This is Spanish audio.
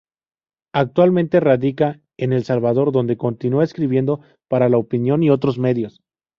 Actualmente radica en El Salvador, donde continúa escribiendo para "La Opinión" y otros medios.